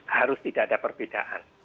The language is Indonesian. harus tidak ada perbedaan